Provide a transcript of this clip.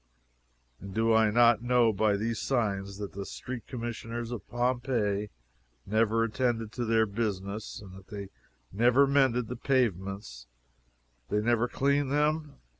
And do I not know by these signs that Street Commissioners of Pompeii never attended to their business, and that if they never mended the pavements they never cleaned them?